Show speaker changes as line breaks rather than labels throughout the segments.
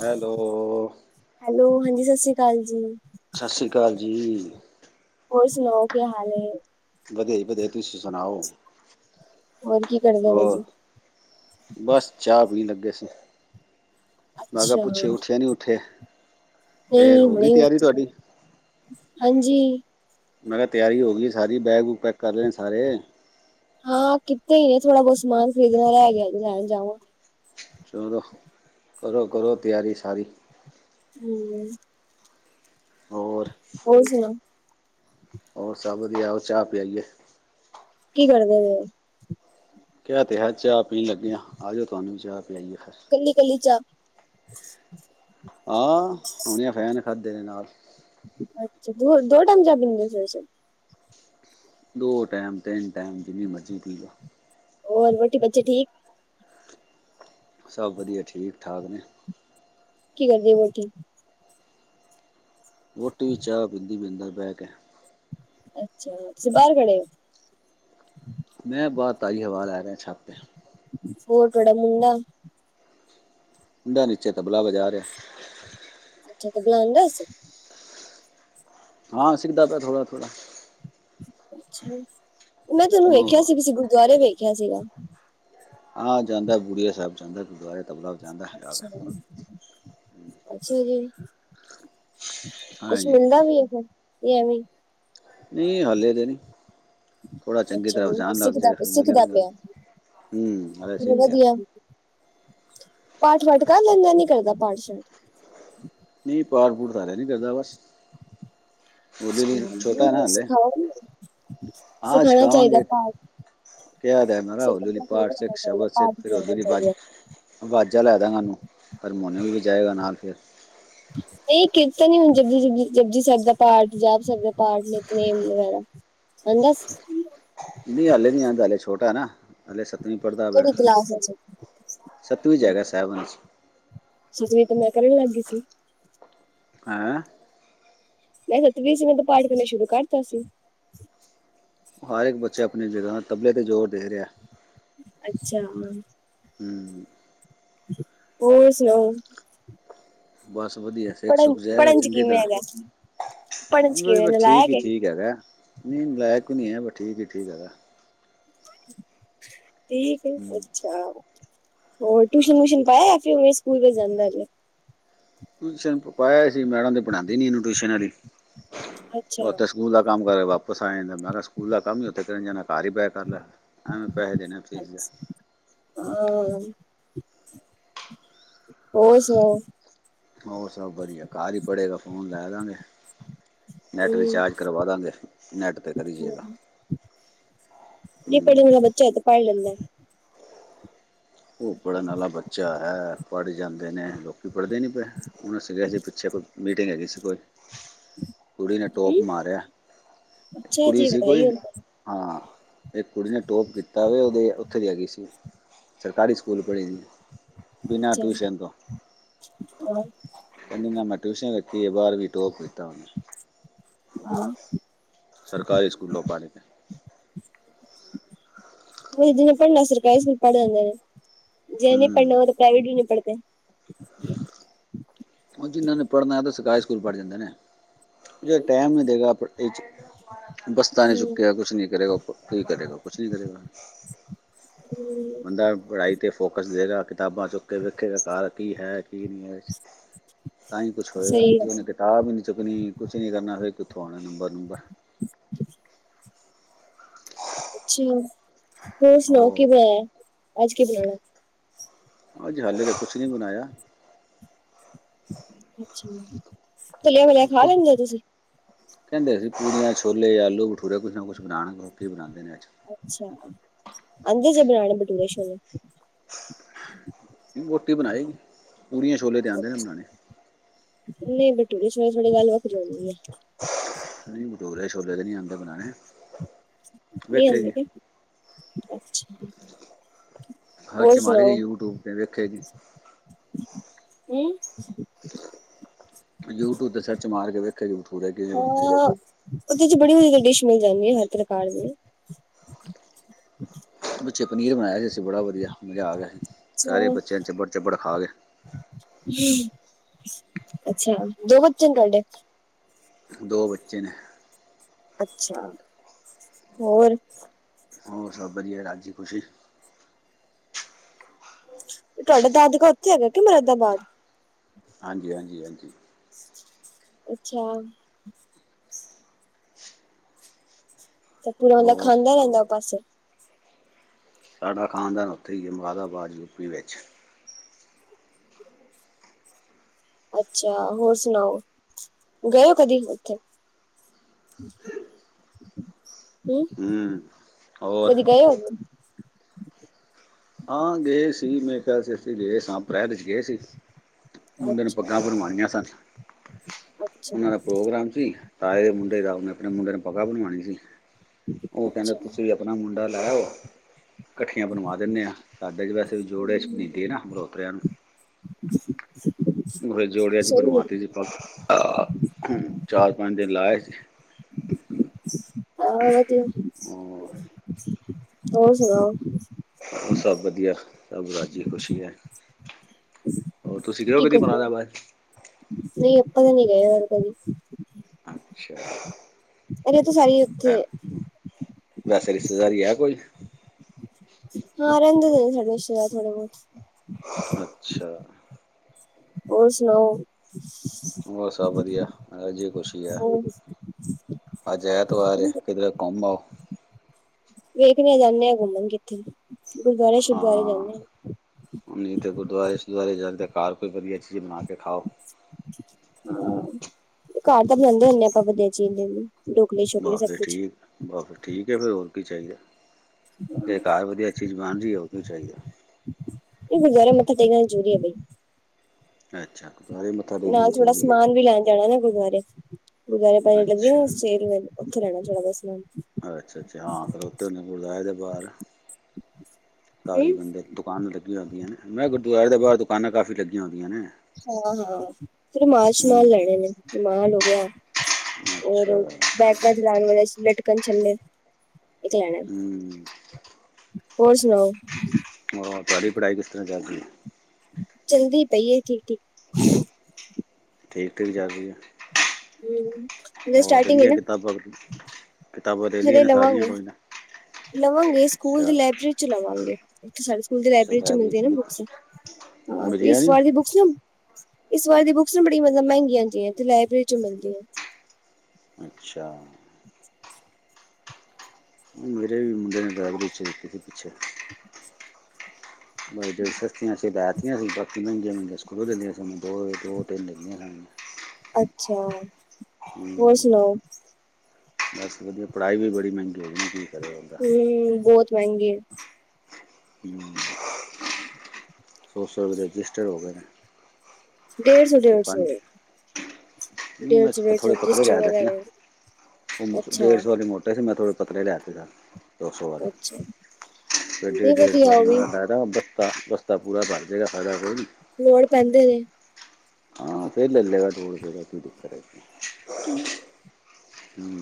Hello
hello ਹਾਂਜੀ ਸਤਿ ਸ੍ਰੀ ਅਕਾਲ ਜੀ।
ਸਤਿ ਸ਼੍ਰੀ ਅਕਾਲ ਜੀ।
ਹੋਰ ਸੁਣਾਓ ਕਿਆ ਹਾਲ ਏ?
ਵਦੀਆਂ ਜੀ ਵਦੀਆਂ ਤੁਸੀਂ ਸਨਾਓ।
ਹੋਰ ਕੀ ਕਰਦੇ ਪਏ ਸੀ।
ਬਸ ਚਾ ਪੀਨ ਲੱਗੇ ਸੀ। ਮੈਂ ਕਿਹਾ
ਅੱਛਾ,
ਪੁੱਛੇ ਉੱਠੇ ਨਹੀਂ ਉੱਠੇ ਫੇਰ ਹੋ ਗਈ ਤਿਆਰੀ ਤੁਹਾਡੀ
[unintelligible] ਹਾਂਜੀ।
ਮੈਂ ਕਿਹਾ ਤਿਆਰੀ ਹੋ ਗਈ ਸਾਰੀ। ਬੈਗ ਵੂਗ ਪੈਕ ਕਰ ਲੈਣੇ ਸਾਰੇ।
ਹਾਂ। ਕਿਤੇ ਹੀ ਨੇ ਥੋੜ੍ਹਾ ਬਹੁਤ ਸਮਾਨ ਖਰੀਦਣ ਵਾਲਿਆ ਹੈ ਗਿਆ ਜਾਹਿਣ ਜਾਵਾਂ।
ਚਲੋ ਕਰੋ, ਕਰੋ ਤਿਆਰੀ ਸਾਰੀ।
ਹਮ।
ਹੋਰ।
ਹੋਰ ਸੁਣਾਓ?
ਹੋਰ ਸਭ ਵਧੀਆ। ਉਹ ਚਾਹ ਪਿਆਈਏ।
ਕੀ ਕਰਦੇ ਪੇੳ।
ਕਿਆ ਤੇ ਹਾ ਚਾਹ ਪੀਣ ਲੱਗੇਆ ਆ ਜਾਓ ਤੁਹਾਨੂੰ ਵੀ ਚਾਹ ਪਿਆਈ। ਆ ਫਿਰ
ਕੱਲੀ- ਕੱਲੀ ਚਾਹ।
ਹਾਂ। ਹਣੀਆਂ ਫੈਨ ਖਾਧੇ ਨੇ ਨਾਲ
ਅੱਛਾ ਦੋ, ਦੋ ਟਾਈਮ ਚਾਹ ਪੀੰਦੇ ਸਵੇਰੇ- ਸਵੇਰੇ।
ਦੋ ਟਾਈਮ, ਤਿੰਨ ਟਾਈਮ ਜਿੰਨੀ ਮਰਜ਼ੀ ਪੀ ਜਾਉ।
ਹੋਰ ਰੋਟੀ ਬੱਚੇ ਠੀਕ।
ਸਭ ਵਧੀਆ। ਠੀਕ- ਠਾਕ ਨੇ।
ਕੀ ਕਰਦੀ ਹੈ ਵੋਟੀ।
ਵੋਟੀ ਵੀ ਚਾਹ ਪੀਂਦੀ ਪੀਂਦਾ ਬੈਹ ਕੇ।
ਅੱਛਾ ਤੁਸੀਂ ਬਾਰ ਖੜੇ ਓ।
ਮੈਂ ਬਾਰ ਤਾਜ਼ੀ ਹਵਾ ਲੈ ਰਿਆ ਛੱਤ ਤੇ
ਹੋਰ ਤੁਆਡਾ ਮੁੰਡਾ?
ਮੁੰਡਾ ਨੀਚੇ ਤਬਲਾ ਵਜਾ ਰਿਆ।
ਅੱਛਾ, ਤਬਲਾ ਆਂਦਾ ਅਸ।
ਹਾਂ ਸਿੱਖਦਾ ਪਿਆ ਥੋੜਾ- ਥੋੜਾ।
ਅੱਛਾ। ਮੈਂ ਤੁਹਾਨੂੰ ਵੇਖਿਆ
ਉਹ
ਸੀ ਕਿਸ ਗੁਰਦੁਆਰੇ ਵੇਖਿਆ ਸੀਗਾ।
ਹਾਂ। ਜਾਂਦਾ ਬੁੜੀਆ ਸਾਹਿਬ ਜਾਂਦਾ ਗੁਰਦੁਆਰੇ। ਤਬਲਾ ਵਜਾਉਂਦਾ ਹੈਗਾ ਵਾ।
ਅੱਛਾ। ਅੱਛਾ ਜੀ। ਕੁਛ
ਹਾਂਜੀ
ਮਿਲਦਾ ਵੀ ਫਿਰ ਐਵੇਂ।
ਨਹੀਂ ਹਲੇੇ ਦੇ ਨਹੀ। ਥੋੜ੍ਹਾ ਚੰਗੀ
ਅੱਛਾ
ਤਰ੍ਹਾਂ
ਮਤਲਬ
ਜਾਣ ਲੱਗ
ਸਿੱਖਦਾ
ਜਏਗਾ। ਫਿਰ
ਸਿੱਖਦਾ
ਮਿਲ
ਪਿਆ
[unintelligible] ਹ ਅ ਸ਼ਕ ਰਿ
ਵਧੀਆ ਪਾਠ, ਪਾਠ ਕਰ ਲੈਂਦਾ ਨ ਕਰਦਾ ਪਾਠ- ਸ਼ਾਟ।
ਨਹੀਂ। ਪਾਠ -ਪੁਠ ਤਾਂ ਹਾਲੇ ਨਹੀਂ ਕਰਦਾ ਬਸ ਬੋਲੀ
ਅੱਛਾ
ਲਈ ਛੋਟਾ ਨਾ
ਨਹੀਂ
ਹਾਲੇ।
ਸਿਖਾਓ
ਆਹ
ਸਿਖਾਉਣਾ ਚਾਹੀਦਾ
ਸਿਖਾਵਾਂਗੇ।
ਪਾਠ
ਕਹਿਦਾ ਹੈ ਮੈ ਹੋਲੀ- ਹੌਲੀ
ਸਿੱਖਣਾ ਚਾਹੀਦਾ
ਪਾਠ ਸਿੱਖ, ਸ਼ਬਦ
ਪਾਠ
ਸਿੱਖ, ਫਿਰ
ਕਰਨਾ
ਹਲੀਲੀ
ਚਾਹੀਦਾ
ਬਾਜੀ। ਵਾਜ਼ਾਂ ਲੈ ਦਾਂਗਾ। ਉਹਨੂੰ ਹਰਮੋਨੀਅਮ ਵੀ ਵਾਏਗਾ ਨਾਲ ਫਿਰ।
ਨਹੀਂ ਕਿਰਤਨ ਨੀ ਹੁਣ ਜ ਜਪਜੀ ਸਾਹਿਬ ਦਾ ਪਾਠ, ਜਾਪ ਸਾਹਿਬ ਦਾ ਪਾਠ, ਨੇਿਤਨੇਮ ਵਗੈਰਾ ਅੰਦਾਸ।
ਨਹੀਂ ਹਾਲਲੇ ਨੀ ਆਉਦਾ। ਹਾਲੇ ਛੋਟਾ ਨਾ ਹਲੇ ਸੱਤਵੀਂ ਪੜ੍ਹਦਾ ਵਇ।
ਕਿਹੜੀ ਕਲਾਸ ਵਿੱਚ
ਸਤਵੀਂ ਚ'ਹੇਗਾ ਸੇਵਨ
ਸੱਵੀ ਤੇ ਮੈਂ ਕਰਨ ਲੱਗਗੀ ਸੀ।
ਹੈਂ।
ਮੈਂ ਸੱਤਵੀ ਸੀ ਮੈ ਤੋਂ ਪਾਠ ਕਰਨਾ ਸ਼ੁਰੂ ਕਰਤਾ ਸੀ।
ਹਰ ਇੱਕ ਬੱਚੇ ਆਪਣੀ ਜਗ੍ਹਾ ਤਬਲੇ 'ਤੇ ਜ਼ੋਰ ਦੇ ਰਿਹਾ।
ਅੱਛਾ।
ਹਮ।
ਹੋਰ ਸੁਣਾਓ?
ਬਸ ਵਧੀਆ। ਸਿੱਖ
ਪੜ੍ਹਨ
ਸੁੱਕ ਜਾਏਗਾ
ਪੜ੍ਹਨ ਚ
ਚੰਗੀ
ਕਿਵੇਂ
ਤਰ੍ਹਾਂ।
ਹੈਗਾ ਪੜ੍ਹਨ ਚ ਕਿਵੇਂ
ਠੀਕ
ਨਲਾਇਕ
ਹੀ
ਏ
ਠੀਕ ਹੈਗਾ। ਨਹੀਂ ਲਾਇਕ ਨੀ ਹੈ ਠੀਕ ਹੀ ਠੀਕ ਹੈਗਾ।
ਠੀਕ ਹੈ ਅੱਛਾ। ਹੋਰ ਟਿਊਸ਼ਨ- ਵਊਸ਼ਨ ਪਾਇਆ ਕਿ ਇਵੇ ਸਕੂਲ ਵਿਚ ਜਾਂਦਾ ਏ ਮਤਲਬ।
ਟਿਊਸ਼ਨ ਤੇ ਪਾਇਆ ਸੀ, ਮੈਡਮ ਤੇ ਪੜ੍ਹਾਆਂਦੀ ਨੀ ਇਹਨੂੰ ਟਿਊਸ਼ਨ ਵਾਲੀ
ਅੱਛਾ ਹਾਂ
ਬਹੁਤ ਸ ਸਕੂਲ ਦਾ ਕੰਮ ਕਰਕੇ ਵਾਪਸ ਆ ਜਾਂਦਾ। ਮੈਂ ਕਿਹਾ ਸਕੂਲ ਦਾ ਕੰਮ ਹੀ ਉੱਥੇ ਕੀ ਕਰਨ ਜਾਨੈ ਘਰ ਹੀ ਬੈ ਕਰ ਲੈ। ਐਵੇ ਪੈਹੇ ਦੇਨੇ ਫੀਸ ਦੇ।
ਹਾਂ। ਹੋਰ ਸੁਣਾਓ?
ਹੋਰ ਸਭ ਵਧੀਆ। ਘਰ ਹੀ ਪੜੇਗਾ ਫੋਨ ਲੈ ਦਾਂਗੇ। ਨੈੱਟ
ਹਮ
ਰਿਚਾਰਜ ਕਰਵਾ ਦਾਂਗੇ, ਨੈੱਟ ਤੇ ਕਰੀ ਜੇਗਾ।
ਨਹੀਂ ਪੜਨੇ ਵਾਲਾ ਬੱਚਾ ਏ, ਤਾ ਪੜ੍ਹ ਲੈਂਦਾ ਐ।
ਉਹ ਪੜ੍ਹਨ ਆਲਾ ਬੱਚਾ ਹੈ, ਪੜ੍ਹ ਜਾਂਦੇ ਨੇ। ਲੋਕ ਪੜ੍ਹਦੇ ਨਹੀਂ ਪਏ। ਹੁਣੇ ਸੀਗਾ ਜੇ ਪਿੱਛੇ, ਕੋਈ ਮੀਟਿੰਗ ਹੈਗੀ ਸੀ ਕੋਈ ਕੁੜੀ ਨੇ ਟੋਪ ਮਾਰਿਆ,
ਅੱਛਾ
ਕੁੜੀ
ਜੀ
ਸੀ
ਵਧਾਈ
ਕੋਈ
ਹੋਵੇ
ਹਾਂ, ਇੱਕ ਕੁੜੀ ਨੇ ਟੋਪ ਕੀਤਾ ਵਿਆ। ਉਹਦੀ, ਉੱਥੇ ਦੀ ਹੈਗੀ ਸੀ ਸਰਕਾਰੀ ਸਕੂਲ ਪੜ੍ਹੀ ਦੀ। ਬਿਨਾਂ
ਅੱਛਾ,
ਟਿਊਸ਼ਨ
ਹਾਂ।
ਕੈਂਦੀ ਨਾ ਮੈ ਟਿਊਸ਼ਨ ਰਖੀ ਏ, ਬਾਰਵੀਂ ਟੋਪ ਕਿਤਾ ਓਹਨੇ।
ਹਾਂ।
ਸਰਕਾਰੀ ਸਕੂਲੋਂ ਪੜ ਕੇ।
ਓਹੀ ਜਿਨੇ ਪੜ੍ਹਨਾ, ਸਰਕਾਰੀ ਸਕੂਲ ਪੜ੍ਹ ਜਾਂਦਾ ਵੇ, ਜੇ ਨਈ ਪੜ੍ਹਨਾ
ਹੂੰ
ਉਹ ਤੇ ਪ੍ਰਾਈਵੇਟ ਵੀ ਨੀ ਪੜਦੇ।
[inaudible] ਉਹ ਜਿਨ੍ਹਾਂ ਨੇ ਪੜ੍ਹਨਾ ਆ ਤਾਂ ਸਰਕਾਰੀ ਸਕੂਲ ਪੜ੍ਹ ਜਾਂਦੇ ਨੇ। ਜੇ ਟਾਈਮ ਨੀ ਦੇਗਾ ਆਪਣ-ਇਹ ਚ ਬਸਤਾ ਨੀ
ਹਮ
ਚੁੱਕੇਗਾ, ਕੁਛ ਨੀ ਕਰੇਗਾ। ਓ-ਪ ਕੀ ਕਰੇਗਾ, ਕੁਛ ਨੀ ਕਰੇਗਾ। ਬੰਦਾ ਐ ਪੜਾਈ ਤੇ ਫੋਕਸ ਦੇਗਾ, ਕਿਤਾਬਾਂ ਚੁੱਕ ਕੇ ਵੇਖੇਗਾ ਕਾਰ ਕੀ ਹੈ ਕੀ ਨੀ ਐ ਚ। ਤਾਂ ਈ ਕੁਛ ਹੋਏਗਾ।
ਸਹੀ ਹੈ
ਜੇ ਉਹਨੇ ਕਿਤਾਬ ਈ ਨੀ ਚੁੱਕਣੀ, ਕੁਛ ਨੀ ਕਰਨਾ, ਫੇਰ ਕਿੱਥੋਂ ਆਣੇ ਨੰਬਰ- ਨੂੰਬਰ।
[inaudible] ਅੱਛਾ। ਹੋਰ ਸੁਣਾਓ ਕੀ
ਉਹ
ਬਣਾਇਆ ਐ, ਅੱਜ ਕੀ ਬਣਾਇਆ ਐ?
ਅੱਜ, ਹਲੇ ਤੇ ਕੁਛ ਨੀ ਬਣਾਇਆ।
ਅੱਛਾ। ਤਲਿਆ ਵਲਿਆ ਖਾ ਲੈਂਦੇ ਓ ਤੁਸੀਂ?
ਕੈਂਦੇ ਸੀ ਪੂੜੀਆਂ ਛੋਲੇ ਯਾ ਆਲੂ ਭਠੂਰੇ, ਕੁਛ ਨਾ ਕੁਛ ਬਣਾਨਗੇ, ਕੀ ਬਣਾਦੇ ਨੇ ਅੱਜ।
ਅੱਛਾ। ਆਂਦੇ ਜੇ ਬਣਾਣੇ ਬਟੂਰੇ ਛੋਲੇ?
ਹਮ ਵੋਟੀ ਬਣਾਏਗੀ, ਪੂੜੀਆਂ ਛੋਲੇ ਤੇ ਆਂਦੇ ਨੇ ਬਨਾਣੇ।
ਨਈ, ਬਟੂਰੇ ਛੋਲੇ ਚ ਤੇ ਗੱਲ ਵੱਖਰੀ ਹੋਂਦੀ ਏ।
ਨਈਂ ਭਟੂਰੇ ਛੋਲੇ ਤੇ ਨੀ ਆਂਦੇ ਬਨਾਣੇ।
ਨਹੀਂ ਆਂਦੇ ਤੇ, ਅੱਛਾ। ਹੋਰ
ਸਰਚ ਮਾਰੇਗੀ, ਯੂਟੂਬ ਤੇ ਵੇਖੇਗੀ।
ਹਮ।
ਯੂਟੂਬ ਤੇ ਸਰਚ ਮਾਰ ਕੇ ਵੇਖੇਗੀ, ਭਠੂਰੇ ਕਿ
ਹਾ-ਆ, ਉਹਦੇ ਚ ਬੜੀ ਵਧੀਆ ਡਿਸ਼ ਮਿਲ ਜਾਂਨੀ ਏ, ਹਰ ਪ੍ਰਕਾਰ ਦੀ।
ਪਿੱਛੇ ਪਨੀਰ ਬਣਾਇਆ ਸੀ ਅਸੀ ਬੜਾ ਵਧੀਆ, ਮਜ਼ਾ ਆ ਗਿਆ ਹੀ, ਸਾਰੇ ਬੱਚੇ ਚੱਬੜ ਚੱਬੜ ਖਾ ਗਏ।
ਹਮ, ਅੱਛਾ। ਦੋ ਬੱਚੇ ਨੇ ਤੁਆਡੇ?
ਦੋ ਬੱਚੇ ਨੇ।
ਅੱਛਾ, ਹੋਰ।
ਹੋਰ, ਸਭ ਵਧੀਆ ਰਾਜੀ ਖੁਸ਼ੀ।
ਤੁਆਡਾ ਦਾਦਕਾ ਉੱਥੇ ਹੈਗਾ ਕਿ ਮੁਰਾਦਾਬਾਦ?
ਹਾਂਜੀ ਹਾਂਜੀ ਹਾਂਜੀ।
ਅੱਛਾ। ਤਾਂ ਪੂਰਾ ਵਾਲਾ
ਹੋਰ
ਖਾਂਦਾਂ ਰਹਿੰਦਾ ਓ ਪਾਸੇ।
ਸਾਡਾ ਖਾਨਦਾਨ ਉੱਥੇ ਈ ਐ, ਮੁਰਾਦਾਬਾਦ ਯੂਪੀ ਵਿੱਚ।
ਅੱਛਾ ਹੋਰ ਸੁਣਾਓ। ਗਏ ਓ ਕਦੀ ਉੱਥੇ? ਹਮ,
ਹੂੰ ਹੋਰ
ਕਦੀ ਗਏ ਓ।
ਹਾਂ ਗਏ ਸੀ, ਮੇਰੇ ਖਿਆਲ ਚ ਅਸੀਂ ਗਏ ਸਾਂ, ਅਪ੍ਰੈਲ ਚ ਗਏ ਸੀ। ਮੁੰਡੇ ਨੇ
ਅੱਛਾ
ਪੱਗਾਂ ਬਣਵਾਨੀਆ ਸਨ,
ਅੱਛਾ
ਉਹਨਾਂ ਦਾ ਪ੍ਰੋਗਰਾਮ ਸੀ। ਤਾਏ ਦੇ ਮੁੰਡੇ ਦਾ ਉਹਨੇ ਆਪਣੇ ਮੁੰਡੇ ਨੂੰ ਪੱਗਾਂ ਬਣਵਾਣੀਆ ਸੀ, ਉਹ ਕੈਂਦੇ
ਅੱਛਾ
ਤੁਸੀਂ ਆਪ ਆਪਣਾ ਮੁੰਡਾ ਲੈ ਆਓ, ਕੱਠੀਆਂ ਬਣਵਾ ਦਿੰਨੇ ਆਂ। ਸਾਡੇ ਚ ਵੈਸ ਕਿਸੇ ਵੀ ਜੋੜੇ ਚ [unintelligible] ਨਾ ਮਲੋਤਰਿਆ ਨੂੰ। [unintelligible] ਜੋੜਿਆ ਚ
ਸਹੀ ਹੈ
ਬਣਵਾਤੀ ਸੀ। ਚਾਰ ਪੰਜ ਦਿਨ ਲਾਏ ਸੀ।
ਹਾਂ ਵਧੀਆ
ਉਹ
ਹੋਰ ਸੁਨਾਉ?
ਹੋਰ ਸਭ ਵਧੀਆ ਸਭ ਰਾਜ਼ੀ ਖ਼ੁਸ਼ੀ ਹੈ। ਹੋਰ ਤੁਸੀਂ ਗਏ
ਕੀ
ਕਦੀ
ਕਰਦੇ ਹੋ
ਮੁਰਾਦਾਬਾਦ
ਨਈ ਆਪਾ ਤੇ ਨੀ ਗਏ ਹੁਣ ਕਦੀ।
ਅੱਛਾ
[unintelligible] ਸਾਰੀ ਉੱਥੇ
ਹੈ ਵੈਸੇ ਰਿਸ਼ਤੇਦਾਰੀ ਹੈ ਕੋਈ
ਹਾਂ ਰਹਿੰਦੇ ਨੇ ਸਾਡੇ ਰਿਸ਼ਤੇਦਾਰ ਥੋੜੇ ਬੌਤ।
ਅੱਛਾ
ਹੋਰ ਸੁਣਾਓ।
ਹੋਰ ਸਭ ਵਧੀਆ ਰਾਜੀ ਖੁਸ਼ੀ ਹੈ।
ਹੋਰ
ਅੱਜ ਐਤਵਾਰ ਹੈ ਕਿਧਰੇ ਘੁਮ ਆਓ।
ਵੇਖਨੇ ਆ ਜਾਨੇ ਆ ਘੁੰਮਨ ਕਿੱਥੇ। ਗੁਰਦੁਆਰੇ ਸ਼ੁਰਦੁਆਰੇ
ਹਾਂ।
ਜਾਂਦੇ ਆ
ਨੀ ਤੇ ਗੁਰਦੁਆਰੇੁ-ਸੂ਼ਰਦੁਆਰੇ ਜਾਂਦੇ, ਘਰ ਕੋਈ ਵਧੀਆ ਚੀਜ਼ ਬਣਾ ਕੇ ਖਾਓ।
ਹਾ ਘਰ ਤਾ ਬਨਾਂਦੇ ਹੁੰਦੇ ਆ ਆਪਾ ਵਦਿਆ ਚੀਜ਼ ਡੈਲੀ।
ਬਾ ਫਿਰ ਠੀਕ, ਬਾ ਫਿਰ ਠੀਕ ਏ ਫੇਰ ਹੋਰ ਕੀ ਚਾਹੀਦਾ ਤੇ ਘਾਰ ਵਧੀਆਂ ਚੀਜ਼ ਬਣਾਉਂਦੇ ਹੋ ਹੋਰ ਕਿ ਚਾਹੀਦਾ।
ਇਹ ਗੁਰਦੁਆਰਾ ਮੱਥਾ ਟਿਕ ਨਾ ਜ਼ਰੂਰੀ ਹੈ ਬਈ।
ਅੱਛਾ ਗੁਰਦੁਆਰੇ ਮੱਥਾ ਟੇਕਣਾ ਜਰੂਰੀ ਹੈ।
ਜਾਨਾ ਨੀ ਗੁਰਦੁਆਰੇ, ਗੁਰਦੁਆਰੇ ਆਪਾਂ ਜੇੜੀ ਲੱਗੀ ਨੀ
ਅੱਛਾ
ਹੁੰਦੀ ਸੇਲ ਓਥੋਂ ਲੈਨਾ ਚੜਾਵੇ ਦਾ ਸਮਾਨ।
ਅੱਛਾ-ਅੱਛਾ ਖਲੋਤੇ ਹੁੰਦੇ ਗੁਰਦੁਆਰੇ ਦੇ ਬਾਰ ਕਾਫੀ ਬੰਦੇ। ਦੁਕਾਨ ਲੱਗੀਆ ਹੁੰਦੀਆ ਨੇ ਮੈਂ ਗੁਰਦੁਆਰੇ ਦੇ ਬਾਹਰ ਦੁਕਾਨਾ ਕਾਫ਼ੀ ਲੱਗੀਆ ਹੁੰਦੀਆ ਨੇ।
ਹਾਂ-ਹਾਂ ਫਿਰ ਰਮਾਲ-ਸ਼ਮਾਲ
ਹੂੰ
ਲੈਣੇ ਰਮਾਲ ਹੋ ਗਿਆ ਰ
ਅੱਛਾ
ਬੈਗਾਂ ਚ ਲਾਣ ਵਾਲੇ ਲਟਕਣ ਛੱਲੇ ਇੱਕ ਲੈਣਾ।
ਹੂੰ
ਹੋਰ ਸੁਣਾਓ?
ਹੋਰ ਤੁਹਾਡੇ ਪੜ੍ਹਾਈ ਕਿਸ ਤਰ੍ਹਾਂ ਚੱਲ ਰਹੀ ਹੈ।
ਚਲਦੀ ਪਈ ਏ ਠੀਕ-ਠੀਕ।
ਠੀਕ-ਠੀਕ ਚੱਲ ਰਹੀ ਹੈ।
ਹਮ ਮਤਲਬ
ਹੋਰ
ਸਟਾਰਟਿੰਗ
ਲਾਲੀਆ ਕਿਤਾਬਾ ਕੁ
ਹੱਲੇ ਲਵਾਂਗੇ, ਲਵਾਂਗੇ ਸਕੂਲ ਦੀ
ਅੱਛਾ
ਲਾਇਬ੍ਰੇਰੀ ਚ ਲਵਾਂਗੇ। ਸਾਡੇ ਸਕੂਲ ਦੀ ਲਾਇਬ੍ਰੇਰੀ ਚ ਮਿਲਦੀ ਨਾ ਬੁੱਕਸ
ਮਿਲੀਆਂ
ਇਸ
ਨੀ
ਵਾਰ ਬੂ ਇਸ ਵਾਰ ਦੀ ਬੁੱਕਸ ਨਾ ਬੜੀ ਮਤਬ ਮਹਿੰਗੀਆਂ ਜੇ ਤੇ ਲਾਇਬ੍ਰੇਰੀ ਚ ਮਿਲਦੀਆ।
ਅੱਛਾ ਮੇਰੇ ਵੀ ਮੁੰਡੇ ਨੇ ਡ੍ਰਗ ਵਿੱਚੇ ਸੀ ਪਿੱਛੇ ਬਸ ਜਿਹੜੀ ਸਸਤੀਆ ਸੀ ਲੈ ਤੀਆ ਸੀ। ਮਹਿੰਗੀਆ-ਮਹਿੰਗੀਆ ਸਕੂਲੋਂ ਲੈ ਲਈਆ ਸੀ ਉਹਨੇ ਦੋ-ਦੋ ਤਿੰਨ ਲਈਆ ਉਹਨੇ।
ਅੱਛਾ ਹੋਰ ਸੁਣਾਓ
ਬਸ ਵਧੀਆ ਪੜ੍ਹਾਈ ਵੀ ਬੜੀ ਮਹਿੰਗੀ ਹੋ [unintelligible]
ਹਮ ਬੌਤ ਮਹਿੰਗੀ।
ਹੋ ਸੋ-ਸੋ ਰੁਪਏ ਦੇ ਰਜਿਸਟਰ ਹੋ ਗੇ ਨੇ।
ਡੇਢ ਸੌ
ਅੱਛਾ
ਡੇਢ ਸੌ
ਪੰਜ,
ਡੇਢ
ਮੈਂ
ਸੌ
ਤੇ
ਡੇਢ ਸੌ
ਥੋੜੇ ਪਤਲੇ
ਰਜਿਸਟਰ
ਰੈ ਰਯਾ ਸੀਨਾ।
ਵਗੈਰਾ
ਉਹ ਡੇਢ
ਅੱਛਾ
ਸੌ ਵਾਲੇ ਮੋਟੇ ਸੀ ਮੈਂ ਥੋੜੇ ਪਤਲੇ ਲੈ ਕੇ ਦਾ। ਦ ਸੌ ਵਾਲਾ
ਅੱਛਾ
ਫੇਰ ਡੇ
ਨਹੀਂ
ਡੇਢ ਸੌ
ਵਧੀਆ ਉਹ ਵੀ
ਮੈਂ ਲੈ ਨਾ ਬਸਤਾ, ਬਸਤਾ ਪੁੂਰਾ ਭਾਰ ਜੇਗਾ ਫਾਇਦਾ ਕੋਈ ਨੀ।
ਲੋੜ ਪੈਂਦੇ ਨੇ
ਫੇਰ ਲਲੇਗਾ ਲੋੜ ਪਏਗਾ ਕੀ ਦਿੱਕਤ ਏ। ਹਮ।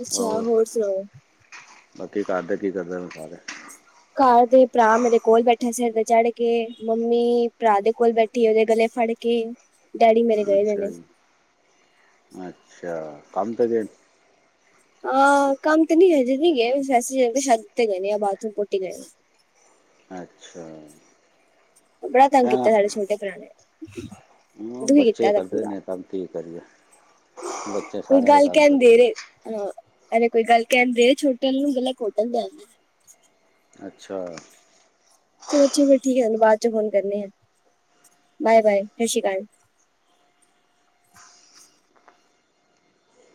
ਅੱਛਾ ਹੋਰ ਸੁਣਾਓ।
ਬਾਕੀ ਘਰਦੇ ਕੀ ਕਰਦੇ ਨੇ ਸਾਰੇ?
ਘਰ ਦੇ ਭਰਾ ਮੇਰੇ ਕੋਲ ਬੈਠੇ ਸਿਰ ਤੇ ਚੜ ਕੇ ਮੰਮੀ ਭਰਾ ਦੇ ਕੋਲ ਬੈਠੀ ਉਹਦੇ ਗਲੇ ਫੜ ਕੇ। ਡੈਡੀ ਮੇਰੇ ਗਏ ਦੇ ਨੇ
ਅੱਛਾ ਜੀ ਅੱਛਾ ਕੰਮ ਤੇ ਗਏ।
ਹਾਂ ਕੰਮ ਤਾਂ ਨਹੀਂ ਹਜੇ ਨਹੀਂ ਗਏ। ਵੈਸੇ ਛੱਤ ਤੇ ਗਏ ਨੇ ਆ ਬਾਥਰੂਮ ਪੋਟੀ ਗਏ ਨੇ।
ਅੱਛਾ।
ਬੜਾ ਤੰਗ ਕੀਤਾ ਸਾਡੇ ਛੋਟੇ ਭਰਾ ਨੇ।
ਹਾਂ
ਦੁਖੀ ਕੀਤਾ
ਬੱਚੇ
ਇਹਦਾ
ਕਰਦੇ
ਪੂਰਾ
ਨੇ ਤੰਗ ਕੀ ਕਰੀਏ ਬੱਚੇ ਸਾਰਿਆਂ ਦੇ ਤੰਗ ਕਰਦੇ ਨੇ।
ਹਾਂ ਕਦੇ ਕੋਈ ਗੱਲ ਕਹਿਣ ਦੇ ਛੋਟੇ ਨੂੰ ਗਲਾ ਘੁੱਟ ਦਿੰਦਾ ਐ।
ਅੱਛਾ।
ਚਲੋ ਅੱਛਾ ਫਿਰ ਠੀਕ ਹੈ। ਤੁਹਾਨੂੰ ਬਾਅਦ ਚੋਂ ਫੋਨ ਕਰਨੇ ਆ। ਬਾਏ-ਬਾਏ ਸਤਿ ਸ਼੍ਰੀ ਅਕਾਲ।